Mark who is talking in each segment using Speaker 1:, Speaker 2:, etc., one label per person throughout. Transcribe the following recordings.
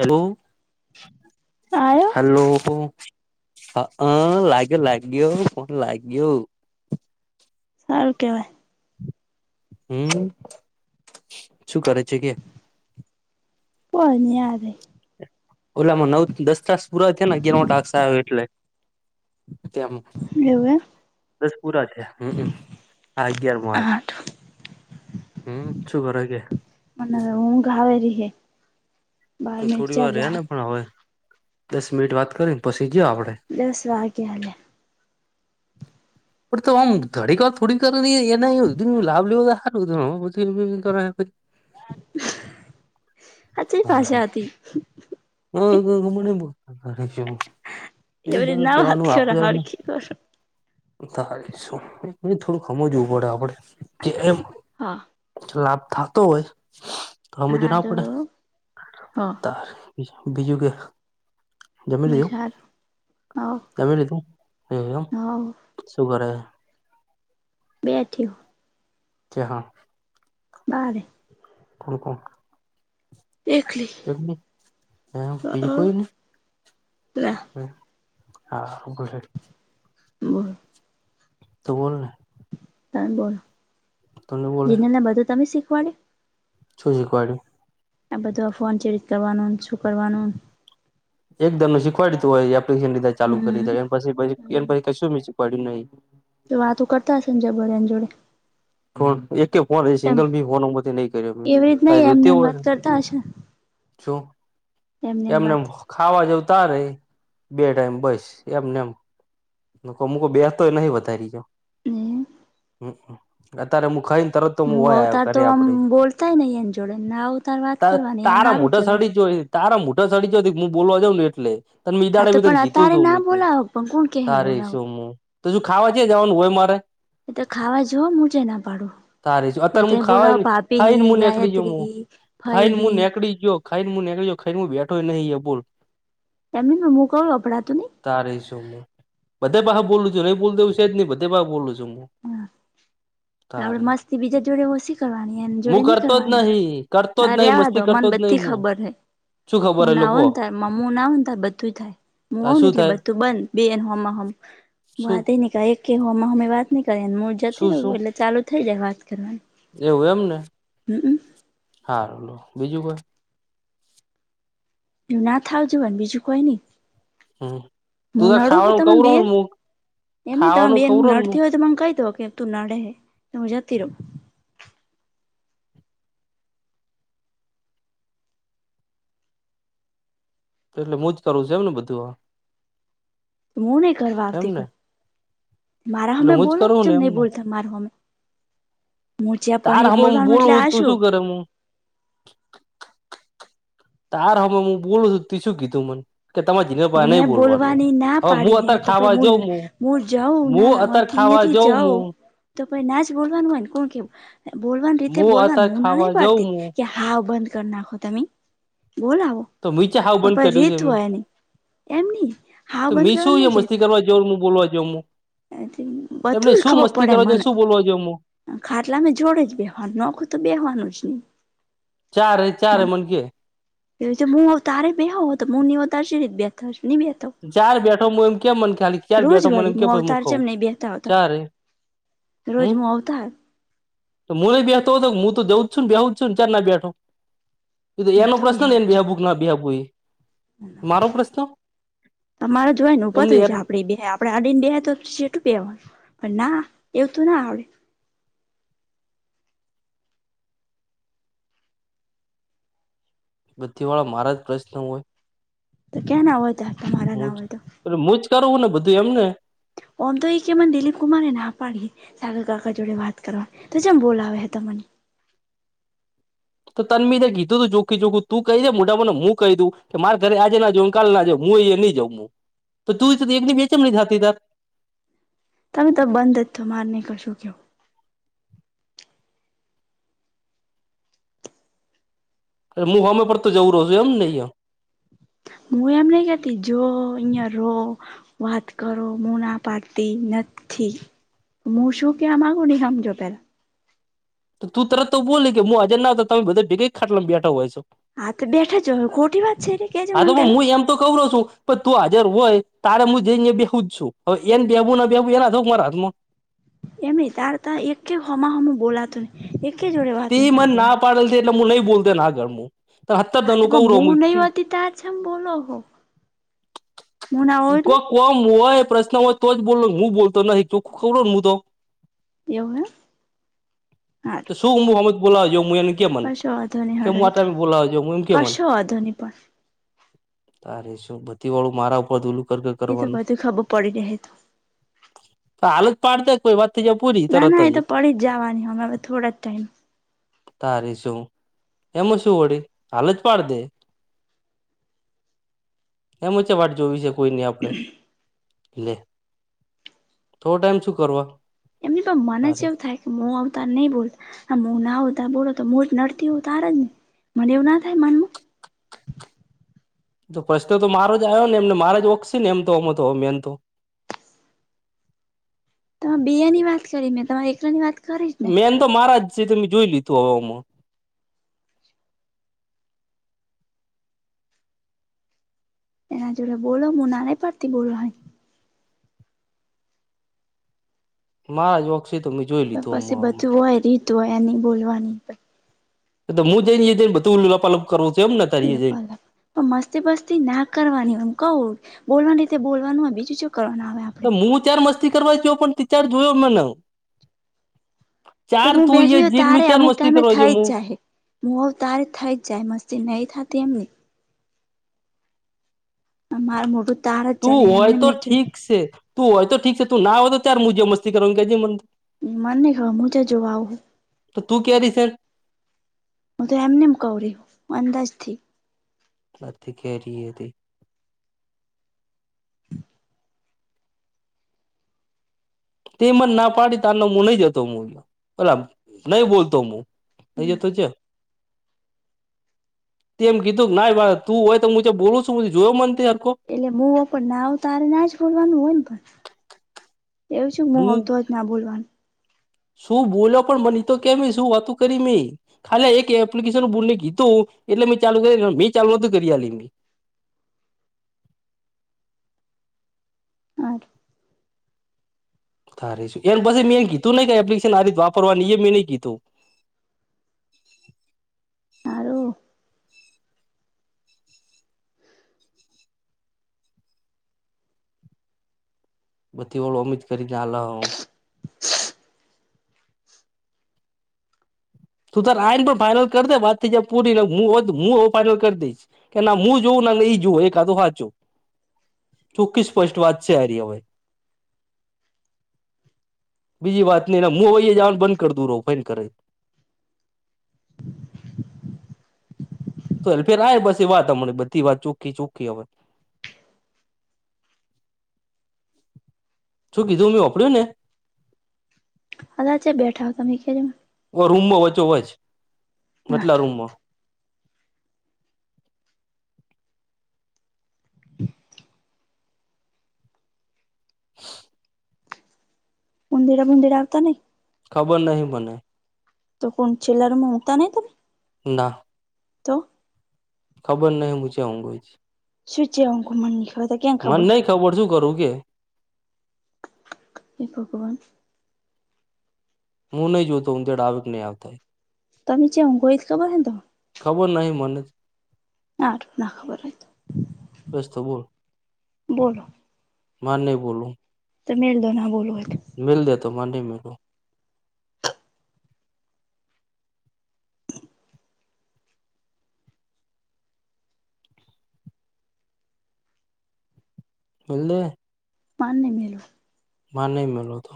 Speaker 1: Hello
Speaker 2: આયો
Speaker 1: hello હ હ લાગે લાગ્યો પણ લાગ્યો
Speaker 2: સારું કેવાય
Speaker 1: હમ્મ શું કરે છે કે
Speaker 2: પોન હે હારે
Speaker 1: ઓલામાં નવ દસ તાસ પુરા થયા ને ગ ન મોટાક્ષ આવ એટલે તેમ
Speaker 2: એવું એમ
Speaker 1: દસ પુરા છે હમ્મ આ અગિયાર મો આલે
Speaker 2: હા તો
Speaker 1: હમ્મ શું કર કેે
Speaker 2: મ હ ઊંઘ આવેરી હે બાર
Speaker 1: તો
Speaker 2: મિનિટ
Speaker 1: થોડી
Speaker 2: ચાર
Speaker 1: વાર રે
Speaker 2: જા
Speaker 1: ને પણ હવે દસ મિનિટ વાત કરીને પછી ગયો આપડે
Speaker 2: દસ વાગયા લે
Speaker 1: પણ તો આમ થડીક વાર થોડીક એના લાભ લેવ તો સારું [unintelligible] [inaudible]
Speaker 2: આછી ભાષા હતી
Speaker 1: [unintelligible] [unintelligible] તારી
Speaker 2: એવી રીત ના વાત કરો હરખી કરો
Speaker 1: શું થોડું હમજવું પડે આપડે કે એમ
Speaker 2: હા
Speaker 1: લાભ થતો હોય તો આજું ના પડે
Speaker 2: હારું હો
Speaker 1: તારી બીજું કે જમી
Speaker 2: બસ
Speaker 1: લીધું
Speaker 2: હારું હોવ
Speaker 1: જમી લીધું એવ એમ
Speaker 2: હોવ
Speaker 1: શું કરે
Speaker 2: બેઠી હુ
Speaker 1: છે, હા.
Speaker 2: બહાર.
Speaker 1: થા [unintelligible]
Speaker 2: એકલી
Speaker 1: એ, હ, બીજું કોઈ નહીં.
Speaker 2: લે.
Speaker 1: હા, બરોબર.
Speaker 2: બરાબર.
Speaker 1: તો બોલને.
Speaker 2: તો બોલો,
Speaker 1: તને બોલે
Speaker 2: તનને બધું તમે શીખવાડે.
Speaker 1: શું શીખવાડે?
Speaker 2: આ બધું આ ફોન ચેરિત કરવાનું શું કરવાનું.
Speaker 1: એકદમ ને શીખવાડ્યું. તું હોય, એપ્લિકન લીધા, ચાલુ કરી
Speaker 2: હમ
Speaker 1: એ. એ પછી કું શીખવાડય્યું નહી?
Speaker 2: તો, વાતો કરતા, સંજય બોરને જોડે.
Speaker 1: ફોન એક ફોન હ,
Speaker 2: તમે
Speaker 1: સિંગલ બી ફોન નહીં કર્યો, તો જો તે હોય ને.
Speaker 2: અઠ [unintelligible]
Speaker 1: છું, એમને ખાવા જવું. તારે બે ટાઈમ બસ, એમને એમ. અમુકો બેસતો નહીં, વધારી જા.
Speaker 2: ને
Speaker 1: હમ, અત્યારે હું ખાઈને. તરત
Speaker 2: હું
Speaker 1: હોય, આવે
Speaker 2: અવતાર તો
Speaker 1: ઘરે
Speaker 2: આમ
Speaker 1: આપડે
Speaker 2: બોલતાય નહી એની જોડે ના અવતાર વાત કરવાની આ
Speaker 1: તારા
Speaker 2: સારું
Speaker 1: મોટા
Speaker 2: કેવાય
Speaker 1: સડી જોય. તારા મોટા ચડીથી હું બોલવા જઉં ને, એટલે. તમે એ
Speaker 2: હા
Speaker 1: દાઢે
Speaker 2: તો પણ
Speaker 1: બી
Speaker 2: અતારે
Speaker 1: કીધું
Speaker 2: ના
Speaker 1: હતું,
Speaker 2: બોલાવો પણ કોણ કે હે
Speaker 1: તારે
Speaker 2: બોલાવો
Speaker 1: શું મું? [unintelligible] તો શું ખાવા જ જવાનું હોય મારે?
Speaker 2: એ તો ખાવા જઓ, મુજે ના પાડો.
Speaker 1: તારી છે. અત્યારે હું ખાવાને ખાઈ ને, હું નીકળી
Speaker 2: ગાયત્રી
Speaker 1: ગયો.
Speaker 2: હી ફઈ
Speaker 1: ખાઈને હું
Speaker 2: હી
Speaker 1: નીકળી, ઘરે બેઠો નહીં, એ બોલ.
Speaker 2: એની મું ક વપડાતું નહીં.
Speaker 1: બધા પાહે બોલું છું, નહીં બોલી દેવાનુ છે જ નહીં. બધે પાય બોલું છું હું. તારે
Speaker 2: આપણેે મસ્તી બીજા જોડે ઓછી કરવાની, એની જોડે
Speaker 1: હું
Speaker 2: નઈ
Speaker 1: કરતો જ
Speaker 2: કરવાની.
Speaker 1: નહીં કરતો
Speaker 2: હ,
Speaker 1: જ નહીં
Speaker 2: રેવા દો
Speaker 1: મસ્તી કરતો
Speaker 2: મને
Speaker 1: જ નહીં
Speaker 2: બધી.
Speaker 1: હું
Speaker 2: ખબર હે,
Speaker 1: શું ખબર
Speaker 2: હું
Speaker 1: એ
Speaker 2: ના હો
Speaker 1: લોકો
Speaker 2: થાય. મમ્મું ના હો થાય, બધું થાય. હું
Speaker 1: આ
Speaker 2: આવ ને,
Speaker 1: શું
Speaker 2: એટલે
Speaker 1: થાય
Speaker 2: બધું બંધ. બે, એ હ, હમ,
Speaker 1: શું
Speaker 2: વાત એક. કેવામાં અમે વાત નહીં કરી મું જતી
Speaker 1: શું શું
Speaker 2: રહું એટલે ચાલુ થઈ જાય વાત કરવાની
Speaker 1: એવું એમને,
Speaker 2: હમમ
Speaker 1: હા, બીજું કંઈ.
Speaker 2: ના થાવુ જોઈએ, પણ બીજું કઈ નહીં.
Speaker 1: હમ તું તાર
Speaker 2: મુનાળું
Speaker 1: ખાવાનું
Speaker 2: તમે
Speaker 1: કવરો
Speaker 2: બેન.
Speaker 1: ને મુ
Speaker 2: એમ તમે
Speaker 1: ખાવાનું
Speaker 2: બેન, હું
Speaker 1: કવરો ને મુ
Speaker 2: નડતી હોય તો મને કંઈ દો કે, તું નાડે તો જતી રહું.
Speaker 1: એટલે મુંજ કરુ છે એમ ને બધું આ.
Speaker 2: તો મુુંહ નહીં કરવા આવતી, કોઈ. મારા
Speaker 1: એટલે
Speaker 2: હામે
Speaker 1: હું જ
Speaker 2: બોલો,
Speaker 1: કરું ને
Speaker 2: ચેમ નહીં
Speaker 1: એમને
Speaker 2: બોલતા મારું. હમ. હું પહોંચ્યા
Speaker 1: તાર
Speaker 2: પહી
Speaker 1: હમે હું
Speaker 2: બોલવાનું, એટલે
Speaker 1: બોલું
Speaker 2: આ
Speaker 1: તું
Speaker 2: શું.
Speaker 1: કરે હું તાર હમે હું બોલું છું, તું શું કીધું મને? કે તરે જીને નહીં
Speaker 2: મેં
Speaker 1: બોલવાનું.
Speaker 2: બોલવાની ના
Speaker 1: હવે હું
Speaker 2: પાડી હે
Speaker 1: અત્યાર
Speaker 2: તો પહી
Speaker 1: ખાવા
Speaker 2: હું
Speaker 1: જઉં.
Speaker 2: હું જઉં ના
Speaker 1: હું
Speaker 2: અહીંથી
Speaker 1: અત્યારે. ખાવા
Speaker 2: અહીંયાથી
Speaker 1: જઉં હું.
Speaker 2: તો ના જ બોલવાનું હોયને, કોણ કે? બોલવાની રીતે
Speaker 1: હું
Speaker 2: બોલવાનું,
Speaker 1: અત્યારે
Speaker 2: હું ના
Speaker 1: ખાવા
Speaker 2: ન
Speaker 1: જઉં
Speaker 2: પાડતી
Speaker 1: હું
Speaker 2: કે, હાવ બંધ કરી નાખો તમે. બોલો, આવો
Speaker 1: તો મીચે હાવ બંધ
Speaker 2: પર
Speaker 1: કર્યું છે
Speaker 2: રીત
Speaker 1: મેં
Speaker 2: હોય નહીં. એમ નહીં, હાવ બંધ કરવાનું નઈ ક.
Speaker 1: બોલોવા જમું.
Speaker 2: બધું જ ખબર પડે
Speaker 1: જઉં
Speaker 2: મને.
Speaker 1: શું બોલવા જઉં હું
Speaker 2: ખાટલામાં જોડે જ બેવાનું નખું, તો બેહવાનું જ નહીં.
Speaker 1: ચાર રે, ચાર રે, મને કે.
Speaker 2: એવી રીતે હું તારે નહી બેતો
Speaker 1: ચાર બેઠો હું એમ કે મને ખાલી ચાર
Speaker 2: રોજ
Speaker 1: બેઠો મને
Speaker 2: વાળી
Speaker 1: એમ કે
Speaker 2: હું
Speaker 1: પછી
Speaker 2: અવતાર છે
Speaker 1: ખઉં
Speaker 2: ચેમ નહી બેતા આવતા
Speaker 1: ચારે
Speaker 2: રોજ
Speaker 1: હમ
Speaker 2: મુ આવતા હ
Speaker 1: તો મુને બેતો હો હતો હું તો જઉું જ છું બેવું છું ચાર ના બેઠો
Speaker 2: હું
Speaker 1: એનો
Speaker 2: તો
Speaker 1: પ્રશ્ન
Speaker 2: બેહુ
Speaker 1: ને
Speaker 2: જ
Speaker 1: એ
Speaker 2: છું
Speaker 1: બહાબુ ના બીહાપુ એ મારો પ્રશ્ન
Speaker 2: તમારે જોય ને ભો
Speaker 1: એમની
Speaker 2: થાય
Speaker 1: યાર
Speaker 2: આપડી બે આપડે આડીને બેય તો છેટું બેવાનું પણ ના એવું તું ના આવડે
Speaker 1: બધી વાર મારા જ પ્રશ્ન હોય
Speaker 2: તો કયા ના હોય તાર તમારા ના હોય તો
Speaker 1: હું મુંજ કરું ને બધું એમને
Speaker 2: ઓમ તો એ કેમને દિલીપ કુમારે ના પાડી સાગર કાકા જોડે વાત કરવા તો જેમ બોલાવે હે તમને
Speaker 1: [inaudible] તો તનમી કીધું જોખીખું તું કહી દે મોઢામાં હું કહીં તું કે મારે ઘરે આજે ના જોવો કાલ ના જાહું હું નહી જઉં તો તું એક બે ચેમ નહી થતી તાર
Speaker 2: તમે તો બંધ જ તો મારે નહી કશું કેવું
Speaker 1: અરે હું હમે પર તો જવું રહ છું એમ નહી અ
Speaker 2: હું એમ નહી કેતી જો અહિયાં રહો વાત કરો મુું ના પાતી નથી ઠીક મું શું ક્યા આ માંગુને એ સમજો પેલા
Speaker 1: તો તું તરત તો બોલી કે હું હાજર ના હતો તમે બધા ભેગ એક ખાટલામાં બેઠા હોય છો
Speaker 2: હા તો બેઠા જ ખોટી વાત છે કે છે
Speaker 1: હા તો
Speaker 2: મને
Speaker 1: પણ
Speaker 2: પેલા
Speaker 1: મું એમ તો કઉરો સુ પણ તું આ જર હોય તાર હું જઈ બેઉ જ છું હવે એને બેવું ના બેવું એના હાથ કે મારા હાથમા
Speaker 2: એમ તાર ત એકે હોમા હોમુ બોલાતું નઈ એ
Speaker 1: તે મન ના પાડેલ તે એટલે મું નહી બોલતો એના આગળ મું તે હત્તર
Speaker 2: હા તો
Speaker 1: દનું
Speaker 2: પણ
Speaker 1: કઉરો મું
Speaker 2: હું નહી
Speaker 1: ઈ
Speaker 2: હોતી તાર છેમ બોલો હો હું ના
Speaker 1: ઈ
Speaker 2: હોઉં
Speaker 1: કો
Speaker 2: એટલે
Speaker 1: કોમ હોય પ્રશ્ન હોય તો જ બોલુ મું બોલતો નઈ ચોખ્ખું કઉરો ન હું તો
Speaker 2: એવું એમ હારું
Speaker 1: તો શું હું હોમજ બોલવા જ્યો મું એન કે મન
Speaker 2: કશો વાંધો નહી
Speaker 1: કે
Speaker 2: હળો
Speaker 1: મું
Speaker 2: એ તો
Speaker 1: આટલા બોલવા જ્યો હું કે મન
Speaker 2: કશો વાંધો નહી પણ
Speaker 1: તારે શું બધી વાળું મારા ઉપર ધુલુ
Speaker 2: એ તો બધું ખબર પડી જહે તો
Speaker 1: હાલ જ પાડદે કોઈ વાત થઈ જાય પૂરી
Speaker 2: ના
Speaker 1: તરત
Speaker 2: ના એ તો પડી જ જવાની હવે અવે થોડા જ ટાઈમ
Speaker 1: તારી શું એમાં શું વળી હાલ જ પાડ દે એમા ચ વાટ જોવી સ કોઈ નહી આપડે લે થોડો ટાઈમ શું કરવા
Speaker 2: એમની પણ મને
Speaker 1: તારે
Speaker 2: ચેવું થાય મું આવું તાર નહી બોલું હ મું ના આવું તાર બો બોલો તો મું જ નડતી હોઉ તાર જ ને મને એવું ના થાય મનમાં
Speaker 1: તો પ્રશ્ન તો મારો જ આયો ને એમને મારે જ વોક સ ન એમ તો હમ તો મેન તો [inaudible]
Speaker 2: તમ બે ની વાત કરી મેં તો તમાર એકલા ની વાત કરી જ નહી
Speaker 1: મેન તો મારા જ છે ત મેં જોઈ લીધું હવ ઓમા
Speaker 2: એના જોડે બોલો મુ ના નઈ પડતી બોલવાની
Speaker 1: માર જો
Speaker 2: તો પસી બચ્યું હોય રીત હોય એની બોલવાની
Speaker 1: તો મું જઈન ઈ જને બધું લપાલપ કરવું છે એમ ને તારી જઈને
Speaker 2: લપાલપ પણ મસ્તી બસ્તી ના કરવાની એમ કવ બોલવાની રીતે બોલવાનું હોય બીજું ચો કરવાનું આવે આપડે
Speaker 1: નથી કરવા જ્યો પણ તી ચાર જોયો મન
Speaker 2: તો હું બેઠી તારે અમુક ટાઈમે
Speaker 1: કરવા જો
Speaker 2: થઈ જ
Speaker 1: હું
Speaker 2: જાય મો તારી થઈ જ જાય મસ્તી નહી થતી એમ ની તમ માર મોઢૂ
Speaker 1: તું હોય તો ઠીક સે તું હોય તો ઠીક સે તું ના હો તો તાર મુ જે મસ્તી કરવાનું કેજે મન
Speaker 2: મને ખબર મુ ચો જોવા આવું હુ
Speaker 1: તો તું કેરીસે
Speaker 2: હું તો એમ નેમ કઉરી હું અંદાજ થી
Speaker 1: પ્રતિકેેરી હતી
Speaker 2: હ [inaudible]
Speaker 1: તે મન ના પાડી તારનો મું નહી જતો મું ઓલા નહી બોલતો હું અયાતો જા તે એમ કીધું કે નાય વાદ તું હોય તો મું જે બોલું છું જોયો મન અત્યા
Speaker 2: એટલે મું પણ નાવ તારે ના જ બોલવાનું હોયન પણ એવું છું મું
Speaker 1: હું
Speaker 2: આવતો જ ના બોલવાનું
Speaker 1: શું બોલો પણ મને તો કેમે શું વાતું કરી મે ખાલી એક એપ્લિકેશન બોને કીધું એટલે મે ચાલુ કરી મેં ચાલુ નતી કરી આલી
Speaker 2: હારું
Speaker 1: થારે સુ એ પછી મેં કીધું નઈ એપ્લિકેશન આ રીત વાપરવાની એ મેં નહી કીધું [inaudible]
Speaker 2: હારું
Speaker 1: બધ્ધી ઓલો અમીત કરી ગ્યા આ લવ [inaudible] તુ તાર આઈન પણ ફાઈનલ કરી દે વાત થય જાય પૂરી હું હોત હું હવે ફાઈનલ કરી દઈશ કે ના હું જોવુ ના ઈ જુએ એ કા તો હચ્ચો ચોખ્ખી સ્પષ્ટ વાત છે હારી હવે બીજી વાત નઈ મું હવે ઈ જવાનુ બંધ કરદુ રોફઈ કરે તુ અલ ફેર આય બસ એ વાત હમને બધી વાત ચોખ્ખી ચોખ્ખી હવે [inaudible] શું કીધુ મેં હોભડ્યુને ને
Speaker 2: અલા ચ્ય બેઠા હો તમે એ કેજો
Speaker 1: રૂમમાં વચો વચ વાટલા
Speaker 2: હારું.
Speaker 1: રૂમમાં [inaudible]
Speaker 2: ઉંડેડા બુંદેડા એ આવતા નહી
Speaker 1: ખબર નહિ મને
Speaker 2: તો કોન છેલ્લા રૂમમા ઊંઘતા નહી તમે
Speaker 1: ના
Speaker 2: તો
Speaker 1: ખબર નહી મુ ચ્યોં ઊંઘું એજ
Speaker 2: સૂ ચ્યોં ઊંઘું મની
Speaker 1: મને નહી ખબર શું કરું કે
Speaker 2: એ ભગવાન
Speaker 1: હું નહી જોતો ઊંધેડા આવેક નહી આવતા
Speaker 2: તમે ચ્યા ઊંઘો એત ખબર હેન તમન
Speaker 1: ખબર નહી મનેજ
Speaker 2: હારુ ના ખબર હોય ત
Speaker 1: બસ તો બોલ
Speaker 2: બોલો
Speaker 1: માર નહી બોલવુ
Speaker 2: તો મેલ દો ના બોલવુ હોય તો
Speaker 1: મેલ દે તે માર નહી મેલુ મેલ દે
Speaker 2: માર નહી મેલ વાનો
Speaker 1: માર નહી મેલો તો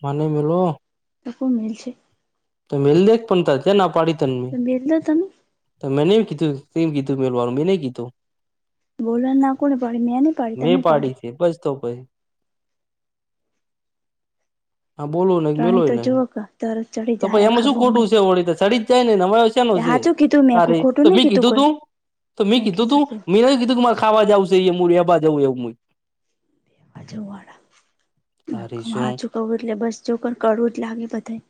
Speaker 1: માર નઈ મેલોઓ
Speaker 2: તો કોન મેલશે
Speaker 1: તો મેલદેત પન તા તન ક્યાં ના પાડી તન
Speaker 2: તો
Speaker 1: મી
Speaker 2: મેલ દો તમે
Speaker 1: તો મેને તી કીધુ મેલવાનુ મે નઇ કીધુ
Speaker 2: બોલવાન ના કોને પાડી મે ની પાડી તમે પાડી
Speaker 1: હ બોલો નય
Speaker 2: ત્રણેય
Speaker 1: મેલોય
Speaker 2: તો
Speaker 1: નહી
Speaker 2: જોવો કે તરત ચડી
Speaker 1: તો પહી
Speaker 2: જાય
Speaker 1: એમા
Speaker 2: આખા
Speaker 1: શું ખોટુ
Speaker 2: ગોમને
Speaker 1: છે, વળી તો સડી જાય ને [unintelligible] સેનુ સે
Speaker 2: હાચું કીધું મેં
Speaker 1: તારે તો
Speaker 2: ખોટું નહી
Speaker 1: મે
Speaker 2: કીધું
Speaker 1: કીધુ
Speaker 2: કઈ
Speaker 1: તુ તો મી
Speaker 2: મેં
Speaker 1: કીધુ તુ
Speaker 2: કીધું તું
Speaker 1: મે નથી કીધુ કે મારે ખાવા જાવુ સે એ મુડીયાબા જવુ એવુ મૂય
Speaker 2: બાજુવાળા.
Speaker 1: તારી શું
Speaker 2: હાચુ કવ એટલે બસ જોક કડવું જ લાગે બધાને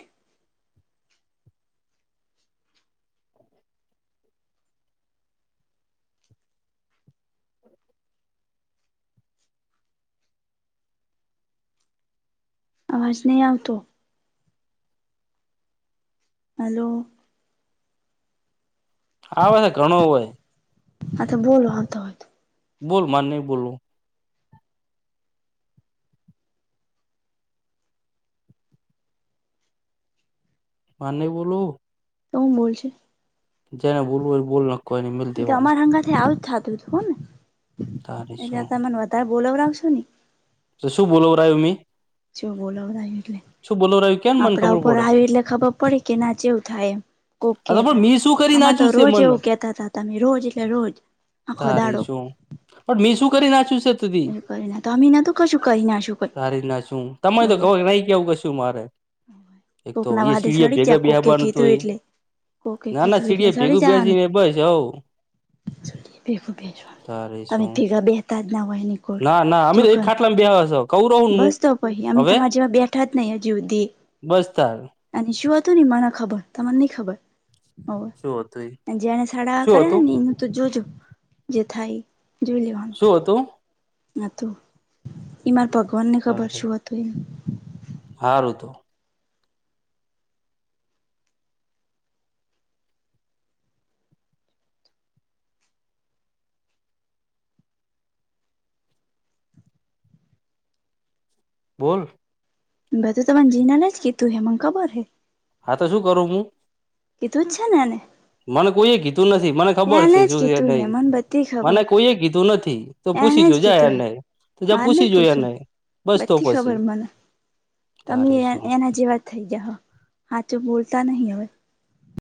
Speaker 2: અવાજ નહી આવતો હાલો.
Speaker 1: આવે હે ઘણો હોય
Speaker 2: હતો બોલો હતો હતો
Speaker 1: બોલ માર નહી બોલવુ હા નહી બોલુ
Speaker 2: તો હુ બોલશે
Speaker 1: જેને બોલવુ હોય એ બોલો
Speaker 2: તે અમાર હંગાથે આવુ જ થાતુ હતું હોને
Speaker 1: તારી
Speaker 2: એટલે
Speaker 1: શું
Speaker 2: તમાર વધારે બોલાવ રાવશો ની
Speaker 1: તો શું બોલવ રાયો મી?
Speaker 2: જો બોલવ રાયુ
Speaker 1: શું બોલવ રાયુ?
Speaker 2: આપડા ઉપર આયુ એટલે ખબર પડી કે ના જેવું થાય એમ કોક
Speaker 1: હા
Speaker 2: કે
Speaker 1: તો પણ
Speaker 2: તારે
Speaker 1: મેં શું કરી
Speaker 2: અમારે તો
Speaker 1: નાખ્યું છે
Speaker 2: રોજ
Speaker 1: મન
Speaker 2: એવું કેતાતા તમે રોજ એટલે રોજ આખો
Speaker 1: તારે
Speaker 2: દાડો
Speaker 1: શું પણ મી શું કરી નાખ્યું સે? અત્યાર સુધી
Speaker 2: એ કરીને તો અમે નતું કશું કરી નાશું કઈ
Speaker 1: તારીના શું તમે
Speaker 2: હોવે
Speaker 1: કવો નય કેવું કશું મારે એક
Speaker 2: કોક
Speaker 1: તો
Speaker 2: ના
Speaker 1: એ
Speaker 2: વાદે
Speaker 1: સીડીએ
Speaker 2: સડી જા
Speaker 1: ભેગા
Speaker 2: કોકે
Speaker 1: બેબાનું હતું
Speaker 2: કીધું
Speaker 1: એ
Speaker 2: એટલે કોકે
Speaker 1: નાના
Speaker 2: કીધું
Speaker 1: સીડીએ ભેગું બેસીને બસ હવ
Speaker 2: ભેગુ બેહી જવાનું
Speaker 1: તારે
Speaker 2: તમે
Speaker 1: શું
Speaker 2: ભેગા બેહતા જ ના વાહની કોડ
Speaker 1: ના ના અમે એક
Speaker 2: ચોકન
Speaker 1: ખાટલામાં બેહવા છો કઉ રહું હું
Speaker 2: બસ તો પહી અમે
Speaker 1: હવે
Speaker 2: તમાર જેવા બેઠા જ નય હજી હુધી
Speaker 1: બસ તાર
Speaker 2: અને શું હતું ને ઈ મને ખબર તમન ની ખબર હોવ
Speaker 1: શું હતું એ
Speaker 2: અને જેને સડાહા
Speaker 1: શું
Speaker 2: કર્યા હે
Speaker 1: હતું
Speaker 2: ને એનું તો જોજો જે થાય ઈ
Speaker 1: શું હતું?
Speaker 2: હતું ઈ માર ભગવાનને ખબર શું હતું એમ
Speaker 1: હારું તો બોલ.
Speaker 2: બધું તમારી જીનાને જ કીધું હે મને ખબર હે
Speaker 1: હા તો શું કરું હું?
Speaker 2: કીધું જ છે ને એને?
Speaker 1: મને કોઈએ કીધું નથી મને ખબર છે
Speaker 2: એને જ
Speaker 1: શું છે
Speaker 2: કીધું હે
Speaker 1: નઈ
Speaker 2: મને બધી
Speaker 1: મને
Speaker 2: ખબર
Speaker 1: કોઈએ કીધું નથી
Speaker 2: એને
Speaker 1: પૂછી
Speaker 2: જ
Speaker 1: જોજે
Speaker 2: કીધું હે
Speaker 1: આયનને તો જા
Speaker 2: માર નઈ
Speaker 1: પૂછી જોય
Speaker 2: પૂછું
Speaker 1: એને બસ તો
Speaker 2: બધી
Speaker 1: પછી
Speaker 2: ખબર મને તમે
Speaker 1: તારે
Speaker 2: એન
Speaker 1: શું
Speaker 2: એના જેવા થઈ જાહો હાચુ બોલ તા નહી હવે